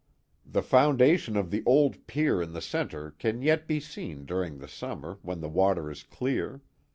The foundation of the old pier in the centre can yet be seen during the summer, when the water is clear.